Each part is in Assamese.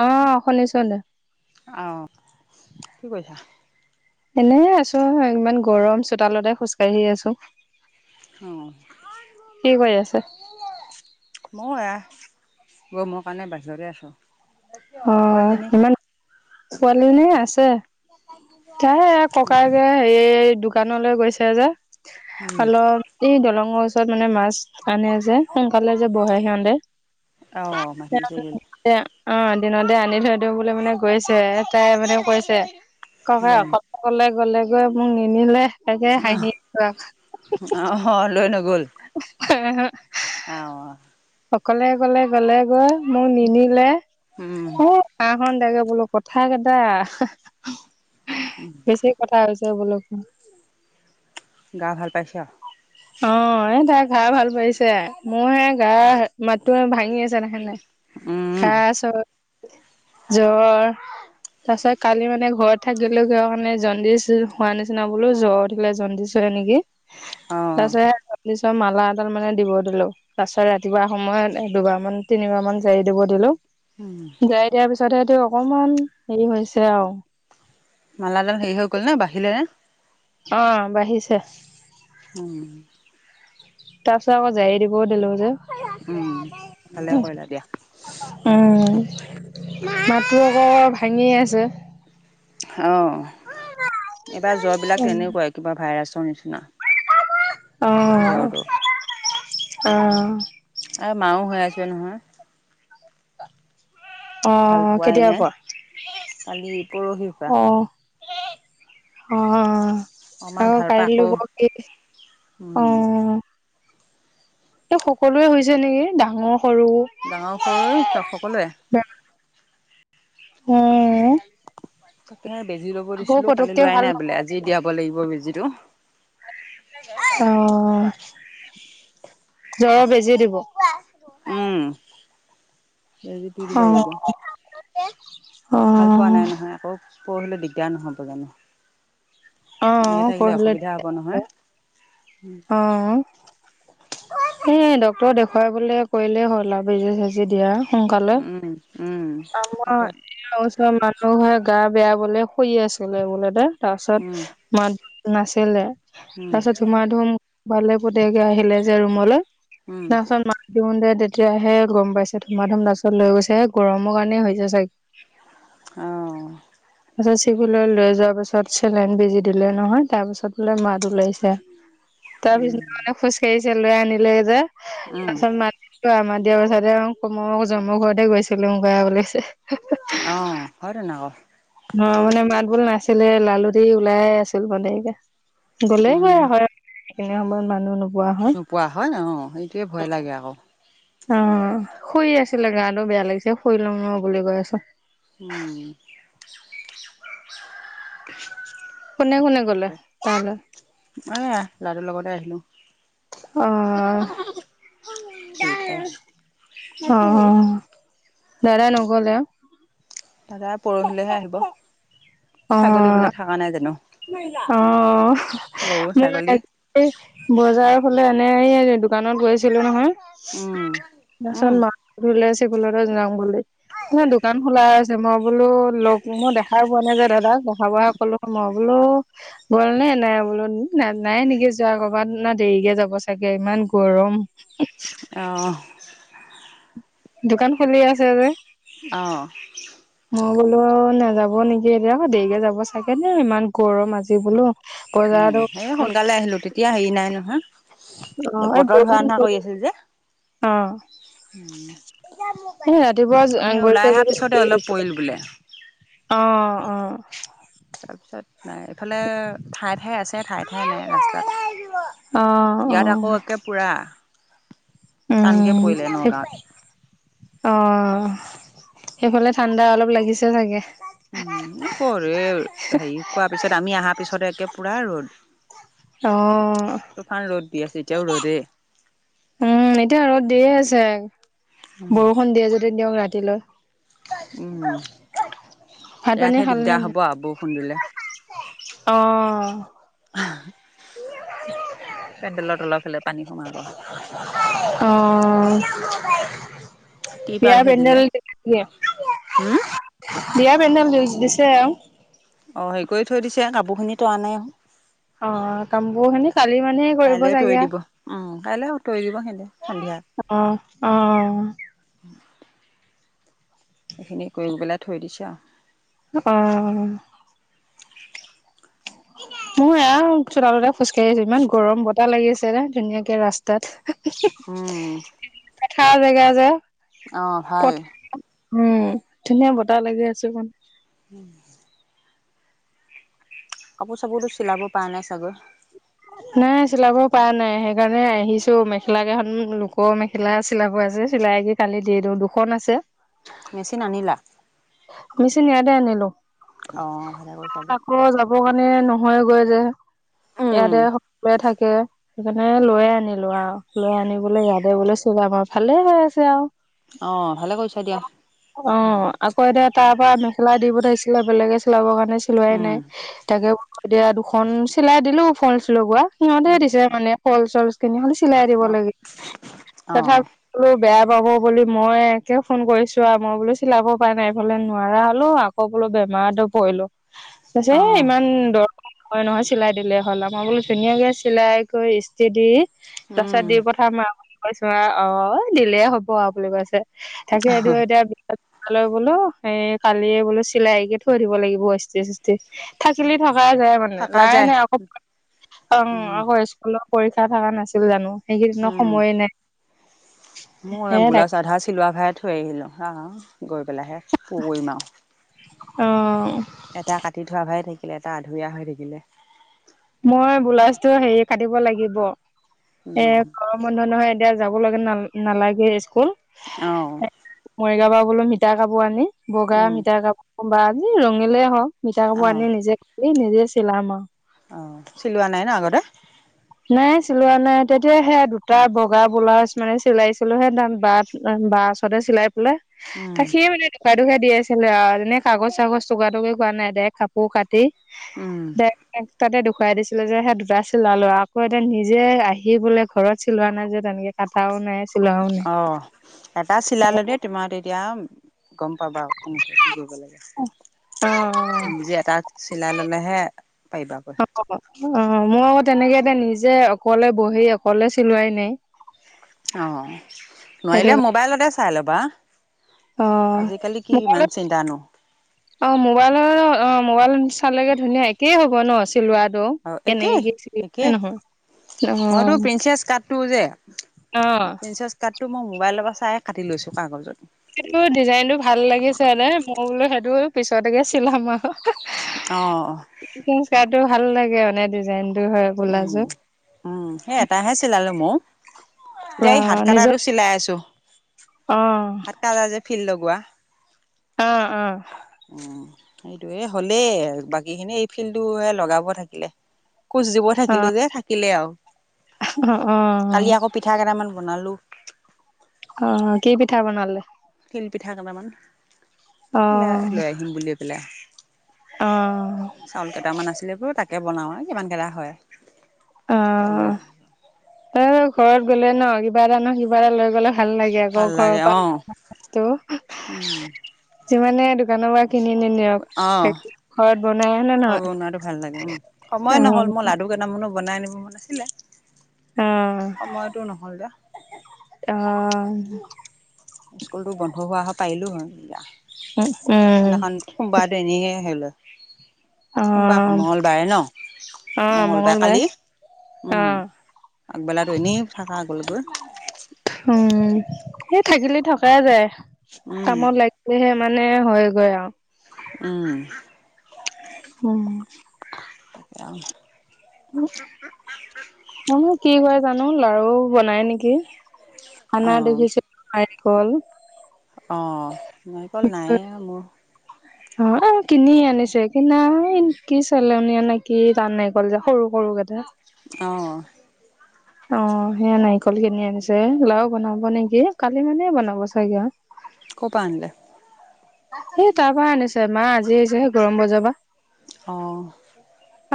অ শুনিচ নে। আহ, কি কৈছা। এনে আছো ইমান গৰম চোতালতোই খোজকাঢ়ি আছো। অ। সাত। ময়ো এয়া, গৈ মই কাৰণে বাহিৰতে আছোঁ। অ পোৱালিজনী ইমান। পোৱালি আছে তে ককাইকে সেই দোকানলৈ গৈছে যে হল এই দলং ওচৰত মানে মাছ আনে যে সোনকালে যে বহে সিহঁতে অ', মাতি থৈ গ'ল। অ দিন দি আনি থৈ দিওঁ বুলি মানে গৈছে তাই মানে কৈছে ককা উম। অকলে কলে গলে গৈ মোক নিনিলে তাকে হাঁহি আ অ হ লৈ নগল অকলে অকলে গলে গৈ মোক নিনিলে উম, আন দে বোলো কথা কেইটা বেছি কথা হৈছে তাকে বুলো গা ভাল পাইছে আৰু অ এ তাই গা ভাল পাইছে মোৰ হেয়া গা মাতো ভাঙি আছে দেখা নাই উম। খাইছো জ্বৰ তাৰ পিছত কালি মানে ঘৰত থাকিলোগে ঘৰ মানে জণ্ডিছ হোৱা নিচিনা বোলো জ্বৰ উঠিলে জণ্ডিছ নেকি অ', কৈছে মালা এডাল মানে দিব দিলো তাৰ পিছত ৰাতিপুৱা সময়ত দুবাৰ মান তিনিবাৰ মান জাৰি দিব দিলো উম, যাৰি দিয়াৰ পিছত হে তেওঁ অকমান হেৰি হৈছে আৰু মালাডাল হেৰি হৈ গ'ল নে বাহিলেনে অ বাঢ়িছে উম তাৰ পিছত আকৌ জাৰী দিবও দিলো যে উম, ভালে উম কৰিলা দিয়া। মাতটো আকৌ ভাঙি আছে অ এইবাৰ জ্বৰ বিলাক তেনেকুৱাই কিবা ভাইৰাছৰ নিচিনা অ', জ্বৰটো। অ আৰু মাও হৈ আছে নহয় ভাল অ', পোৱাই কেতিয়াৰ পৰা? নাই কালি পৰহিৰ পৰা অ', অ অকমান আ ভাল পা কাইলৈ আকৌ পৰখি দিছে অ উম, এই সকলোৱে হৈছে নেকি ডাঙৰ সৰু। ডাঙৰ সৰু আই সকলোৱে উম তকে বেজি লব দিছিলো কালি লোৱাই ভাল নাই বোলে নহয় আজি দিয়াব লাগিব বেজিটো অ জ্বৰৰ বেজি দিব উম এই যে পি দিব লাগিব তে- ভাল পোৱা নাই নহয় আকৌ পৰহিলে দিগদাৰ নহ'ব জানো- এনেকে অ', থাকিলে অসুবিধা হ'ব নহয়। অহ এ ডক্তৰ দেখুৱাই বলে কৰিলেই হ'ল আৰু বেজি চেজি দিয়া সোনকালে উম উম আমাৰ তাকে এই ওচৰ মানুহে গা বেয়া বোলে শুই আছিলে বোলে দে উম তাৰপাছত মা নাছিলে উম তাৰ পাছত ধুমা ধুম ভালে পুতেকে আহিলে যে ৰুমলৈ উম তাৰপাছত মাত দিওঁতে তেতিয়াহে গম পাইছে ধুমা ধুম তাইছত লৈ গৈছে গৰমৰ কাৰণে হৈছে চাগে। অহ তাৰপিছত চিভিললৈ লৈ যোৱাৰ পিছত চেলাইন বিজি দিলে নহয় তাৰ পিছত বোলে মাত ওলাইছে। তাৰ উম পিছত মানে খোজ কাঢ়িছে লৈ আনিলে যে উম তাৰ পিছত মাতিলোঁ মাত দিয়া পিছতে মইও জন্ম ঘৰতে গৈছিলো বা বুলিছে। অ হয়টোন আক অ মানে মাত বোল নাছিলে লালুটি ওলাই আছিল মানে গ'লে উম গৈ হয় সেইখিনি সময়ত মানুহ নো নোপোৱা হয় অহ সেইটোৱে ভয় লাগে আকৌ। অ শুই আছিলে গাটো বেয়া লাগিছে শুই লম ৰ বুলি কৈ আছো। উম। কোনে কোনে গ'লে তালৈ এ লৰাটো লগতে আহিলো। অহ দুয়োটাই অহ দাদা নগ'লে। দাদা পৰহিলৈহে আহিব অ ছাগলী বিলাক থকা নাই জানো। অ গৰু মই ছাগলী আজি বজাৰৰ ফালে - এ দোকানত গৈছিলোঁ নহয় উম তাৰ পাছত উম মাক বোলে- একে লগতে যাম বুলি। এহ দোকান খোলা আছে মই বোলো লগ মই দেখাই পোৱা নাই যে দাদাক বহা বহা কলো মই বোলোঁ। বোলো গ'ল নে নাই বোলো নাই নাই নেকি যোৱা কৰ'বাত না দেৰিকে যাব চাগে ইমান ইমান গৰম অহ দোকান খুলি আছে যে অহ অ বোলো আৰু নাযাব নেকি এতিয়া আকৌ দেৰিকে যাব চাগে ন ইমান গৰম আজি বোলো। উম বজাৰতো এ সোনকালে আহিলোঁ তেতিয়া হেৰি নাই নহয়। অ এ এই বতৰ ধোৱা বৰষুণ নিচিনা কৰি আছিল যে। অ উম, ৰাতিপুৱা গৈছে আমি ওলাই অহাৰ পিছতে অলপ যে পৰিল বোলে অহ অহ তাৰপিছত নাই এইফালে ঠায়ে ঠায়ে আছে। নে ঠাই ঠাই নাই ৰাস্তাত অ অ ইয়াত আকৌ একে পুৰা টানকে উম পৰিলে নগাঁৱত অহ সেইফালে ঠাণ্ডা অলপ লাগিছে চাগে। উম কৰে এই হেৰি কোৱা পিছত আমি অহাৰ পিছত একে পুৰা ৰ'দ। অহ। তুফান ৰ'দ দি আছে এতিয়াও ৰদে উম এতিয়া আৰু দিয়ে আছে বৰষুণ দিয়ে যদি দিয়ক ৰাতিলৈ উম ভাত পানী ইয়াতহে দিগদাৰ হ'ব আৰু বৰষুণ দিলে। অহ পেণ্ডেলৰ তলৰ ফালে পানী সোমাব। অঁহ বিয়া তিৰপালহে দিলে। পেণ্ডেল দিয়ে নে নিদিয়ে বিয়াৰ পেণ্ডেল দিছে। অ' হেৰি কৰি থৈ দিছে কাপোৰখিনি তৰা নাই। অ কামবোৰ খিনি কালি মানে কৰিব কাইলৈ তৰি চাগে দিব। উম কাইলৈ তৰি দিব উম সন্ধিয়া অ' অ'। [inaudible] এইখিনি কৰি পেলাই থৈ দিছে আৰু। অ'। মোৰ এয়া চোতালতে খোজকাঢ়ি আছো। ইমান গৰম বতাহ লাগি আছে ধুনীয়াকে ৰাস্তাত। উম। খাৰ জেগা যে অ' ভাল। পথাৰ উম ধুনীয়া বতাহ লাগি আছে। [inaudible] কাপোৰ-চাপোৰতো চিলাব পৰা নাই চাগৈ! নাই চিলাব পৰা নাই। সেইকাৰণে আহিছো, মেখেলা কেইখন লোকৰ মেখেলা চিলাব আছে। চিলাই কি কালি দি দিওঁ, দুখন আছে। মেচিন আনিলা? মেচিন ইয়াতে আনিলো। অ ভালে কৰিছা দিয়া। আকৌ যাব কাৰণে, মানে নহয়গৈ যে উম ইয়াতে সকলোৱে থাকে। সেইকাৰণে লৈয়ে আনিলো আৰু। লৈ আনি বোলে ইয়াতে বোলে [unintelligible] আমাৰ ভালে হৈ আছে আৰু। অ' ভালে কৰিছা দিয়া। অ আকৌ এতিয়া তাৰ পৰা মেখেলা দি পঠাইছিলে বেলেগে চিলাবৰ কাৰণে, চিলোৱাই নাই। উম। তাকে এতিয়া দুখন চিলাই দিলো ফলচ লগোৱা। সিহঁতে উম। দিছে মানে ফল-চলচ কিনি [unintelligible] চিলাই দিব অ লাগে। অ তথাপি বেয়া পাব বুলি মই একে ফোন কৰিছোঁ আৰু। মই বোলো চিলাব উপাই নাই এইফালে নোৱাৰা হলো, আকৌ বোলো বেমাৰটো পৰিলো। কৈছে অ ইমান দৰ হয় নহয় চিলাই দিলে হ'ল। মই বোলো ধুনীয়াকে চিলাই কৰি ইস্তি দি উম তাৰপিছত দি পঠাম আৰু বুলি কৈছো আৰু। অ' দিলেই হ'ব আৰু বুলি কৈছে। থাকেটো এতিয়া বি লৈ বোলো এ কালিয়ে বোলো চিলাইকে থৈ দিব লাগিব ইস্তি-চিস্তি। থাকিলে থাক যায় মানে। থাকা লাই যায় নাই আকৌ। অ' উম আকৌ স্কুলৰ পৰীক্ষা থকা নাছিল জানো! সেইকেইদিনৰ সময়ে নাই। মই হে তাকে বোলাউজ আধা চিলোৱা ভাগে থৈ আহিলো। আহ গৈ পেলাইহে পূৰ কৰিম আৰু। অ'। এটা কাটি থোৱা ভাগে থাকিলে। এটা আধুৰীয়া হৈ থাকিলে। মই বোলাজটো হেৰি কাটিব লাগিব। এ গৰম বন্ধ নহয় এতিয়া যাব লাগে ন নালাগে স্কুল। অঁ মৰিগাঁৱৰ পৰা বোলো মিতা কাপোৰ আনি বগা মিটাৰ কাপোৰ বা ৰঙিলেই হওক, মিটাৰ কাপোৰ আনি নিজে এই নিজেই চিলাম আৰু। অ' চিলোৱা নাই ন আগতে? মানে তেতিয়া সেয়া দুটা বগা ব্লাউজ মানে চিলাইছিলোহে, বাত বা ওচৰতে চিলাই পেলে তাক সিয়ে মানে ঢুকা দি আছিলে আৰু। এনে কাগজ-চাগজ টকা-টুকি কোৱা নাই। ডাইৰেক্ট কাপোৰ কাট টি তাতে দেখুৱাই দিছিলো যে, সেই দুটা চিলালো আৰু। আকৌ এতিয়া নিজে আহি বোলে ঘৰত চিলোৱা নাই যে, তেনেকে কাটাও নাই। চিলোৱাও নাই। অ'। এটা চিলালে দেই। তোমাৰ তেতিয়া গম পাবা। উম। কি কৰিব লাগে। অ নিজে এটা চিলাই ল'লেহে পাৰিবা আকৌ। অ মই আকৌ তেনেকে এতিয় নিজে অকলে বহি অকলে চিলোৱাই নাই। অ' সেইটো নোৱাৰিলে মোবাইলতে চাই ল'বা। অ' আজিকালি কি ইমান মোবাইলত, চিন্তানো অ' মোবাইলৰ অ' মোবাইল [unintelligible] চালেগে ধুনীয়া, একেই হ'ব ন? চিলোৱা দ অঁ কেনেকে একেই কি চিলাই হয় নে একেই নহয় অ তো যে অহ তো মই মবাইলৰ পৰা চাইয়ে কাটি লৈছো কাগজত সেইটো ডিজাইনটো ভাল লাগিছেে মানে মই বোলো সেইটো পিছতকে চিলাম আৰু হা অ'। হা মোৰ চাৰ্টো ভাল লাগে মানে ডিজাইন উম উম সেই এটাহে চিলালো ময়ো এতিয়া এই হাত অ' নিজৰ কাটাতো চিলাই আছো অ' হাত কাটা যে ফিল লগোৱা অ অ এইটো এ হলেই বাকী খিনি এই ফিল্ডটো হে লগাব থাকিলে খোজ দিব থাকিলো অ' যে থাকিলে আও অ' অ' কালি আকৌ পিঠা কেইটামান বনালো অ কি পিঠা বনালে তিল পিঠা কেইটামান অ' লৈ আহিম বুলি পেলাই অ' চাউল কেইটামান আছিলে বোলো তাকে বনাও আৰু কিমান কেইটা হয় অ লৈ তই যে ঘৰত গ'লে ন কিবা এটা ন কিবা এটা লৈ মানে ভাল লাগে আক ভাল ঘৰৰ লাগে পৰা অ', অনা বস্তু উম, যিমানে দোকানৰ পৰা কিনি নি নিনিয়ক অ'। ঘৰত বনাই হয়নে ঘৰ বনোৱাটো ভাল লাগে উম সময় নহয় অ নহ'ল মই লাডু কেইটামানো বনাই আনিব মন আছিলে অ সময়তো নহ'ল যে অ স্কুলতো বন্ধ হোৱা হয় পাৰিলো হয় এতিয়া উম উম, সেইদিনাখন কোনোবা দেনিহে আহিলে অ ন অ মঙ্গলবাৰে মঙলবাৰে কালি অ উম আগবেলাটো এনেই থাকা গ'ল গৈ উম এই থাকিলে থকাই যায় উম কামত লাগিলেহে মানে হয় গল আও উম উম তেআম জানো কি কৰে জানো লাৰু বনাই নেকি আনা অঁ দেখিছিলো নাৰিকল। অ নাইকল নায়ে মোৰ অ অ কিনি আনিছে কিনা একি চলেনো এনেকে কি টান নাইকল যে সৰু সৰু কাটা অ অ অ সেয়া নাৰিকল কিনি আনিছে লাও বঐনাব নেকি কালি মানে বনাব চাগে আও কপা আনিলে এ তাৰ পৰা আনিছে মা আজি আহিছেহে গৰম বজাবা অঁ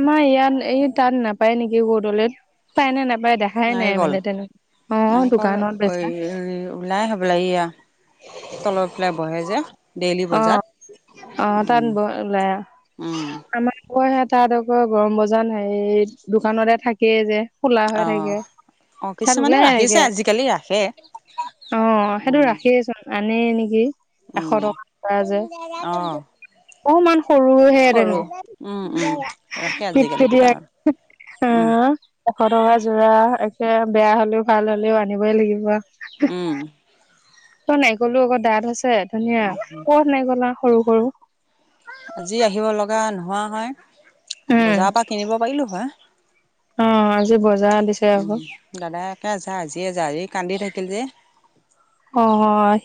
আমাৰ ইয়াত এই তাত নাপায় নেকি বৰদলৈত পায় নে নে নাৰিকল নাৰিকল দোকানত বেচা অএই ওলাই হ'বলা এইয়া তলৰ ফালে বহে যে ডেইলি অ বজাত তাত উম ওলাই অ উম আমাৰ আকৌ সে তাত আকৌ গৰম বজাৰ হেৰি দোকানতে থাকেই যে খোলা হৈ অ থাকে অ তাত কিছুমানে ওলাই ৰাখিছে একে আজিকালি ৰাখে অ সেইটো উম ৰাখিয়েছোন আনে নেকি এশ উম টকা যে অ অকমান সৰুহে সৰু তেনে উম উম ৰাখে পিট আজিকালি পিটি দোকানত বাইক হ অ উম এশ টকা যোৰা একে বেয়া হলেও ভাল হলেও আনিবই লাগিব। উম তই নাইকলটো অ'ক ডাঠ হৈছে ধুনীয়া কত নাইকলা সৰু সৰু আজি আহিব লগা নোহোৱা হয় উম বজাৰৰ পৰা কিনিব পাৰিলোঁ হয়। অ আজি বজাৰ দিছে উম আকৌ। দাদা একে যা আজিয়ে কান্দি থাকিল যে অ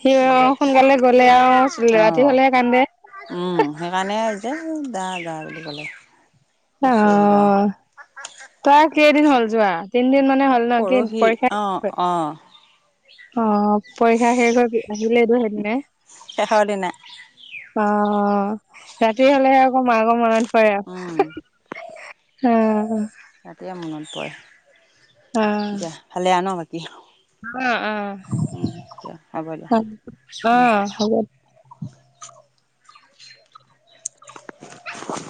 সি সোনকালে গলে খো ছিল অ ৰাতি হলেহে কান্দে উম সেইকাৰণে যে দা যা বুলি ক'লে অ গুচি আহিলো আৰু তই কেইদিন হ'ল যোৱা? তিনদিন মানে হ'ল ন কি পৰহি পৰীক্ষাত অ পৰে অ অ পৰীক্ষা শেষ হৈ আহিলেইতো সেদিনাই শেষৰ দিনা অ ৰাতি হলেহে আকৌ মাৰকৰ মনত পৰে উম আও অ অ ৰাতিয়ে মনত পৰে অ এতিয়া ভালে আও ন বাকী উম উম ম দিয়া হ'ব দিয়া অ অ হ'ব [inaudible] [inaudible]